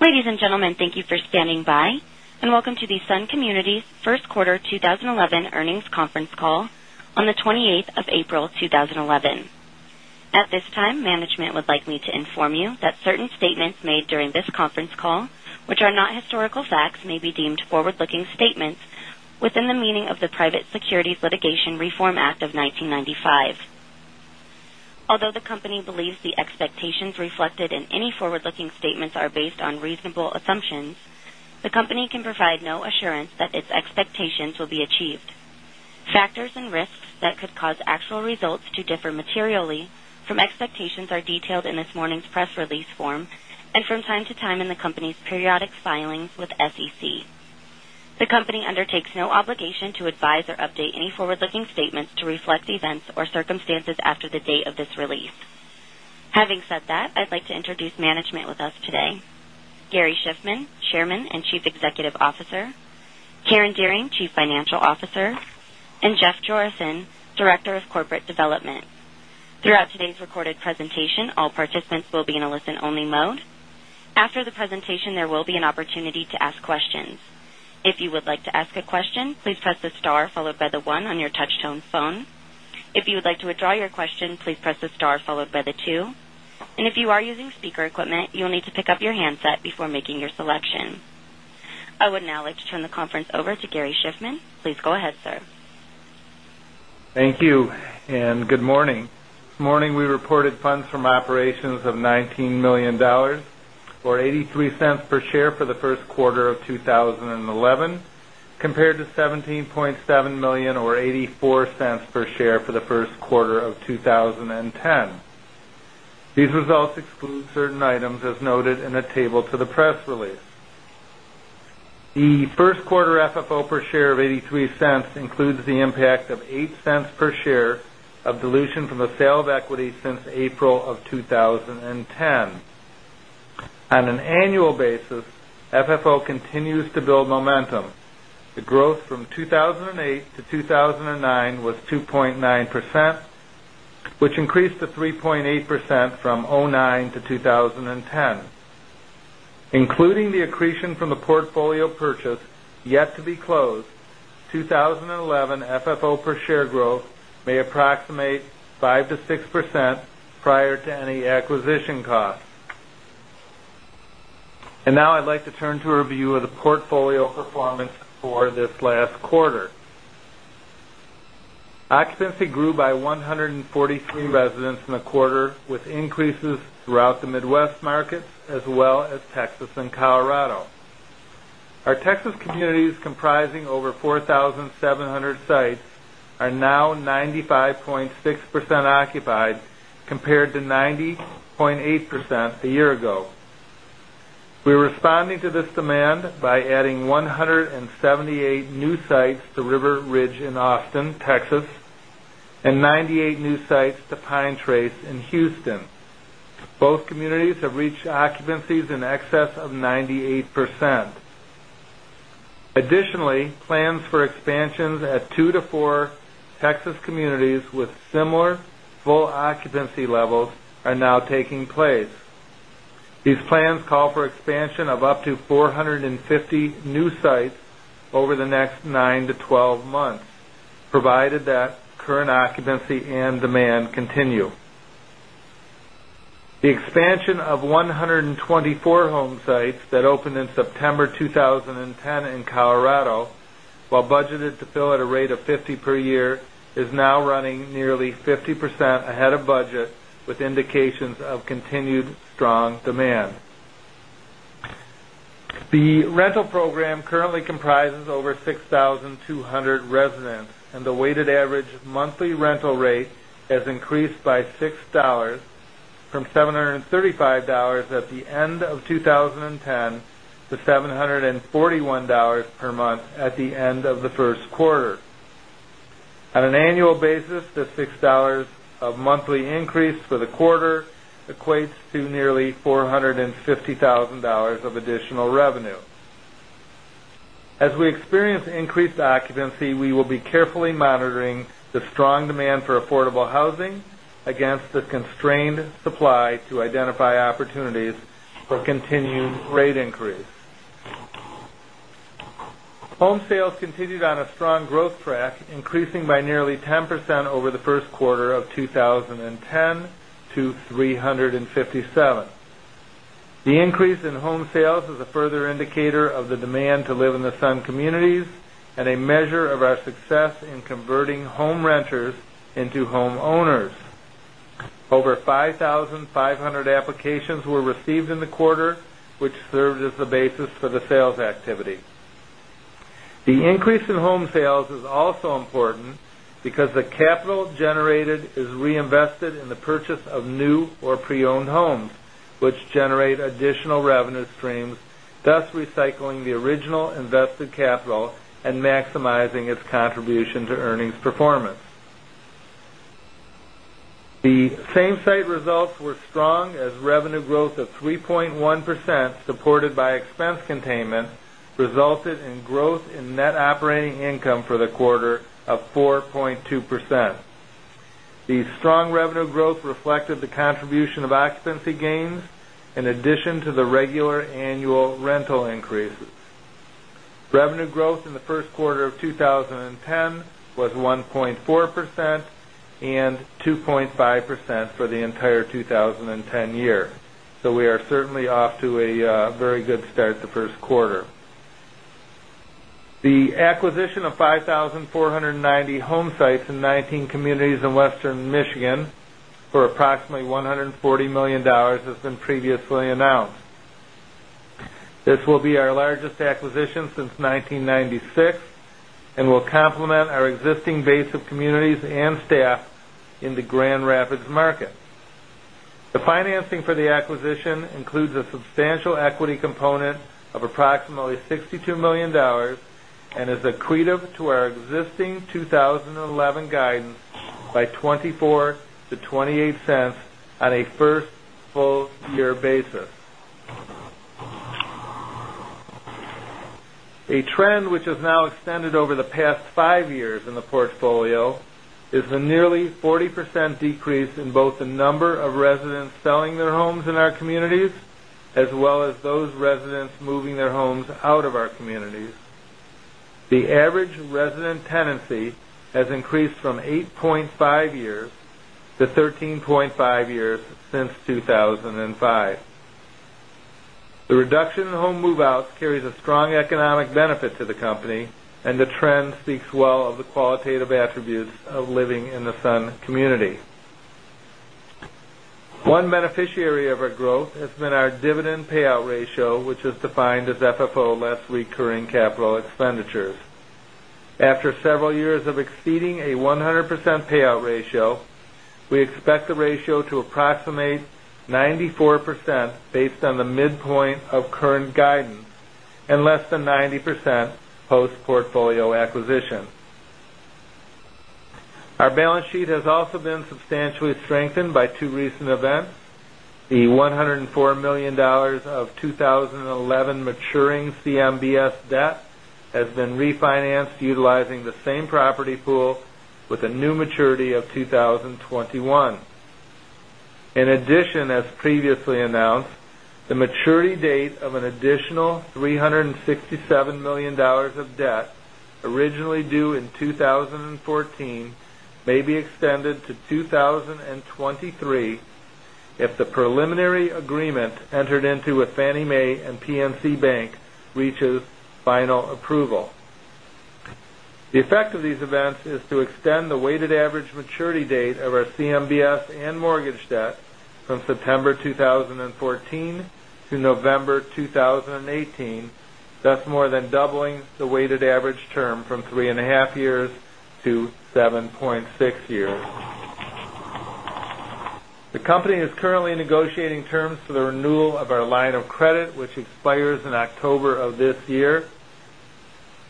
Ladies and gentlemen, thank you for standing by, and welcome to the Sun Communities First Quarter 2011 Earnings Conference Call on the 28th of April 2011. At this time, management would like me to inform you that certain statements made during this conference call, which are not historical facts, may be deemed forward-looking statements within the meaning of the Private Securities Litigation Reform Act of 1995. Although the company believes the expectations reflected in any forward-looking statements are based on reasonable assumptions, the company can provide no assurance that its expectations will be achieved. Factors and risks that could cause actual results to differ materially from expectations are detailed in this morning's press release form and from time to time in the company's periodic filings with SEC. The company undertakes no obligation to advise or update any forward-looking statements to reflect events or circumstances after the date of this release. Having said that, I'd like to introduce management with us today: Gary Shiffman, Chairman and Chief Executive Officer; Karen Dearing, Chief Financial Officer; and Jeff Jorissen, Director of Corporate Development. Throughout today's recorded presentation, all participants will be in a listen-only mode. After the presentation, there will be an opportunity to ask questions. If you would like to ask a question, please press the star followed by the one on your touch-tone phone. If you would like to withdraw your question, please press the star followed by the two. And if you are using speaker equipment, you'll need to pick up your handset before making your selection. I would now like to turn the conference over to Gary Shiffman. Please go ahead, sir. Thank you, and good morning. This morning, we reported funds from operations of $19 million or $0.83 per share for the first quarter of 2011, compared to $17.7 million or $0.84 per share for the first quarter of 2010. These results exclude certain items as noted in the table to the press release. The first quarter FFO per share of $0.83 includes the impact of $0.08 per share of dilution from the sale of equity since April of 2010. On an annual basis, FFO continues to build momentum. The growth from 2008-2009 was 2.9%, which increased to 3.8% from 2009-2010. Including the accretion from the portfolio purchase yet to be closed, 2011 FFO per share growth may approximate 5%-6% prior to any acquisition cost. Now, I'd like to turn to a review of the portfolio performance for this last quarter. Occupancy grew by 143 residents in the quarter, with increases throughout the Midwest markets as well as Texas and Colorado. Our Texas communities, comprising over 4,700 sites, are now 95.6% occupied compared to 90.8% a year ago. We're responding to this demand by adding 178 new sites to River Ranch in Austin, Texas, and 98 new sites to Pine Trace in Houston. Both communities have reached occupancies in excess of 98%. Additionally, plans for expansions at 2-4 Texas communities with similar full occupancy levels are now taking place. These plans call for expansion of up to 450 new sites over the next 9-12 months, provided that current occupancy and demand continue. The expansion of 124 home sites that opened in September 2010 in Colorado, while budgeted to fill at a rate of 50 per year, is now running nearly 50% ahead of budget, with indications of continued strong demand. The rental program currently comprises over 6,200 residents, and the weighted average monthly rental rate has increased by $6 from $735 at the end of 2010 to $741 per month at the end of the first quarter. On an annual basis, the $6 of monthly increase for the quarter equates to nearly $450,000 of additional revenue. As we experience increased occupancy, we will be carefully monitoring the strong demand for affordable housing against the constrained supply to identify opportunities for continued rate increase. Home sales continued on a strong growth track, increasing by nearly 10% over the first quarter of 2010 to 357. The increase in home sales is a further indicator of the demand to live in the Sun Communities and a measure of our success in converting home renters into homeowners. Over 5,500 applications were received in the quarter, which served as the basis for the sales activity. The increase in home sales is also important because the capital generated is reinvested in the purchase of new or pre-owned homes, which generate additional revenue streams, thus recycling the original invested capital and maximizing its contribution to earnings performance. The Same Site results were strong as revenue growth of 3.1%, supported by expense containment, resulted in growth in Net Operating Income for the quarter of 4.2%. The strong revenue growth reflected the contribution of occupancy gains, in addition to the regular annual rental increases. Revenue growth in the first quarter of 2010 was 1.4% and 2.5% for the entire 2010 year, so we are certainly off to a very good start the first quarter. The acquisition of 5,490 home sites in 19 communities in Western Michigan for approximately $140 million has been previously announced. This will be our largest acquisition since 1996 and will complement our existing base of communities and staff in the Grand Rapids market. The financing for the acquisition includes a substantial equity component of approximately $62 million and is equated to our existing 2011 guidance by $0.24-$0.28 on a first full-year basis. A trend which has now extended over the past five years in the portfolio is the nearly 40% decrease in both the number of residents selling their homes in our communities as well as those residents moving their homes out of our communities. The average resident tenancy has increased from 8.5 years to 13.5 years since 2005. The reduction in home move-outs carries a strong economic benefit to the company, and the trend speaks well of the qualitative attributes of living in the Sun Community. One beneficiary of our growth has been our dividend payout ratio, which is defined as FFO less recurring capital expenditures. After several years of exceeding a 100% payout ratio, we expect the ratio to approximate 94% based on the midpoint of current guidance and less than 90% post-portfolio acquisition. Our balance sheet has also been substantially strengthened by two recent events. The $104 million of 2011 maturing CMBS debt has been refinanced utilizing the same property pool with a new maturity of 2021. In addition, as previously announced, the maturity date of an additional $367 million of debt originally due in 2014 may be extended to 2023 if the preliminary agreement entered into with Fannie Mae and PNC Bank reaches final approval. The effect of these events is to extend the weighted average maturity date of our CMBS and mortgage debt from September 2014 to November 2018, thus more than doubling the weighted average term from 3.5 years to 7.6 years. The company is currently negotiating terms for the renewal of our line of credit, which expires in October of this year.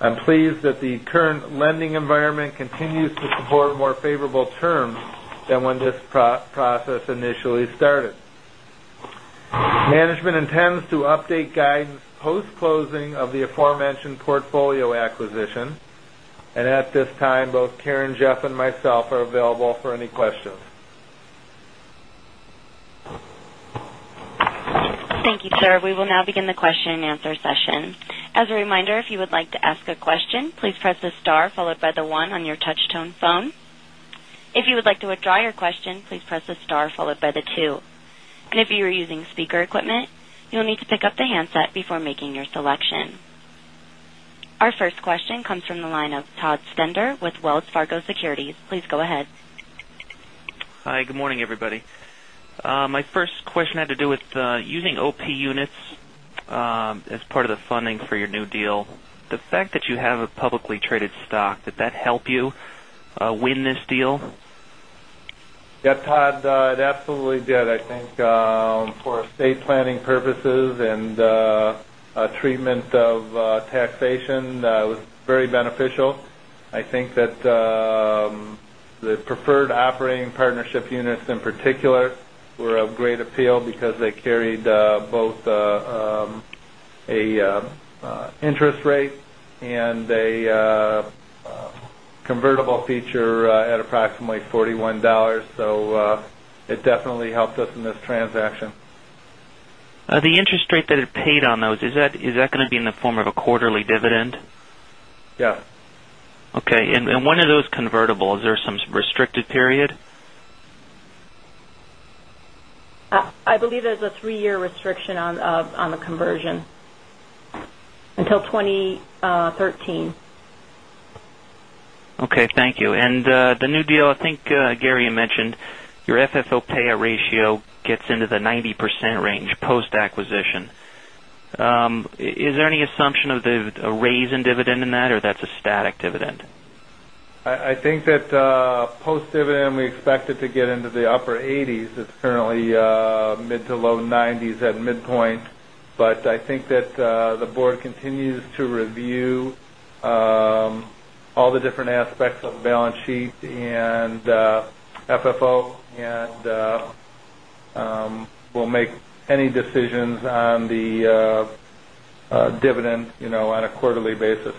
I'm pleased that the current lending environment continues to support more favorable terms than when this process initially started. Management intends to update guidance post-closing of the aforementioned portfolio acquisition, and at this time, both Karen, Jeff, and myself are available for any questions. Thank you, sir. We will now begin the question and answer session. As a reminder, if you would like to ask a question, please press the star followed by the one on your touch-tone phone. If you would like to withdraw your question, please press the star followed by the two. And if you are using speaker equipment, you'll need to pick up the handset before making your selection. Our first question comes from the line of Todd Stender with Wells Fargo Securities. Please go ahead. Hi, good morning, everybody. My first question had to do with using OP units as part of the funding for your new deal. The fact that you have a publicly traded stock, did that help you win this deal? Yep, Todd, it absolutely did. I think for estate planning purposes and treatment of taxation, it was very beneficial. I think that the preferred operating partnership units, in particular, were of great appeal because they carried both an interest rate and a convertible feature at approximately $41, so it definitely helped us in this transaction. The interest rate that it paid on, though, is that going to be in the form of a quarterly dividend? Yes. Okay. And when are those convertible? Is there some restricted period? I believe there's a three-year restriction on the conversion until 2013. Okay. Thank you. The new deal, I think Gary mentioned, your FFO payout ratio gets into the 90% range post-acquisition. Is there any assumption of a raise in dividend in that, or that's a static dividend? I think that post-dividend, we expect it to get into the upper 80s. It's currently mid to low 90s at midpoint, but I think that the board continues to review all the different aspects of the balance sheet and FFO and will make any decisions on the dividend on a quarterly basis.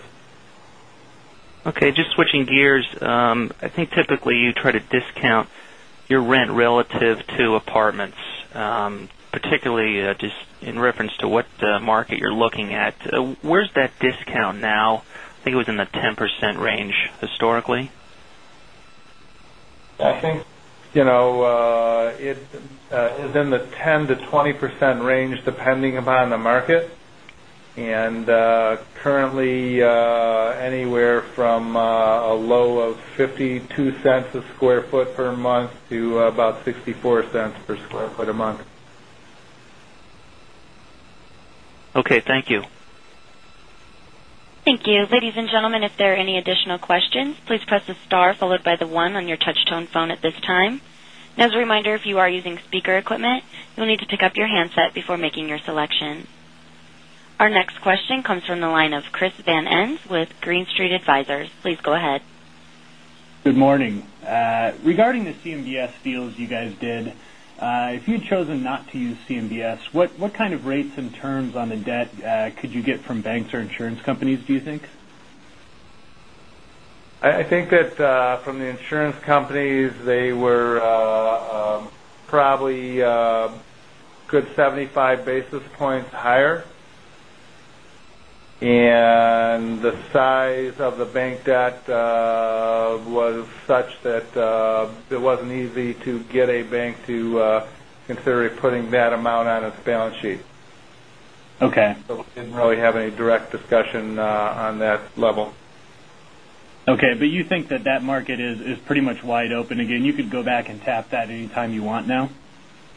Okay. Just switching gears, I think typically you try to discount your rent relative to apartments, particularly just in reference to what market you're looking at. Where's that discount now? I think it was in the 10% range historically. I think it is in the 10%-20% range depending upon the market, and currently anywhere from a low of $0.52/sq ft per month to about $0.64/sq ft per month. Okay. Thank you. Thank you. Ladies and gentlemen, if there are any additional questions, please press the star followed by the one on your touch-tone phone at this time. As a reminder, if you are using speaker equipment, you'll need to pick up your handset before making your selection. Our next question comes from the line of Chris Van Ens with Green Street Advisors. Please go ahead. Good morning. Regarding the CMBS deals you guys did, if you had chosen not to use CMBS, what kind of rates and terms on the debt could you get from banks or insurance companies, do you think? I think that from the insurance companies, they were probably a good 75 basis points higher, and the size of the bank debt was such that it wasn't easy to get a bank to consider putting that amount on its balance sheet. Okay. We didn't really have any direct discussion on that level. Okay. But you think that that market is pretty much wide open? Again, you could go back and tap that anytime you want now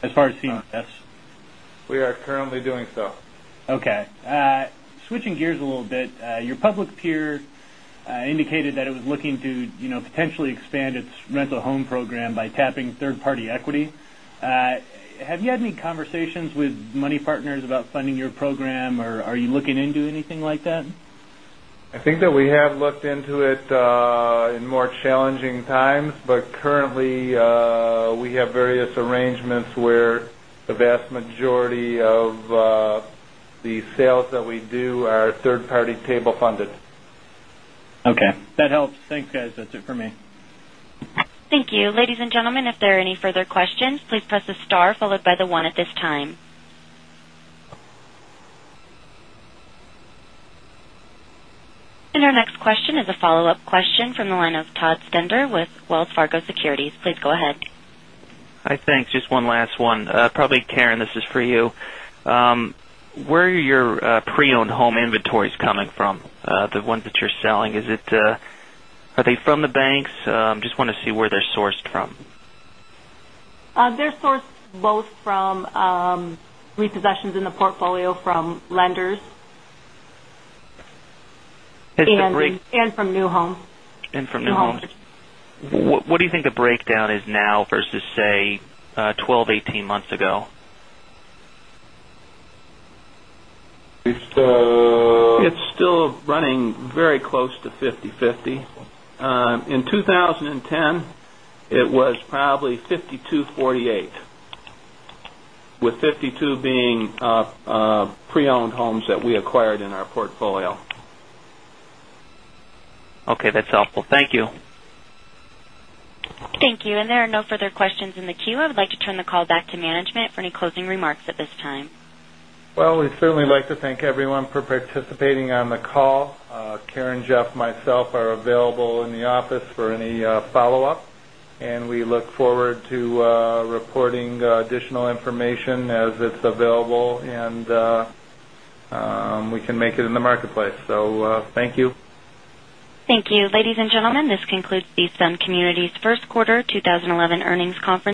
as far as CMBS? We are currently doing so. Okay. Switching gears a little bit, your public peer indicated that it was looking to potentially expand its rental home program by tapping third-party equity. Have you had any conversations with money partners about funding your program, or are you looking into anything like that? I think that we have looked into it in more challenging times, but currently we have various arrangements where the vast majority of the sales that we do are third-party table funded. Okay. That helps. Thanks, guys. That's it for me. Thank you. Ladies and gentlemen, if there are any further questions, please press the star followed by the one at this time. Our next question is a follow-up question from the line of Todd Stender with Wells Fargo Securities. Please go ahead. Hi, thanks. Just one last one. Probably Karen, this is for you. Where are your pre-owned home inventories coming from, the ones that you're selling? Are they from the banks? Just want to see where they're sourced from. They're sourced both from repossessions in the portfolio from lenders and from new homes. From new homes. What do you think the breakdown is now versus, say, 12, 18 months ago? It's still running very close to 50/50. In 2010, it was probably 52/48, with 52 being pre-owned homes that we acquired in our portfolio. Okay. That's helpful. Thank you. Thank you. There are no further questions in the queue. I would like to turn the call back to management for any closing remarks at this time. Well, we'd certainly like to thank everyone for participating on the call. Karen, Jeff, and myself are available in the office for any follow-up, and we look forward to reporting additional information as it's available and we can make it in the marketplace. Thank you. Thank you. Ladies and gentlemen, this concludes the Sun Communities First Quarter 2011 earnings call.